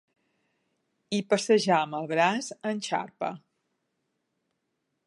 I passejar amb el braç en xarpa